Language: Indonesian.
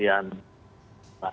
yang diberikan oleh